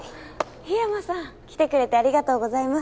桧山さん来てくれてありがとうございます。